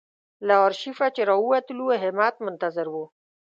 له آرشیفه چې راووتلو همت منتظر و.